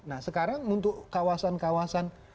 nah sekarang untuk kawasan kawasan